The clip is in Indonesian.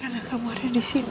karena kamu ada di sini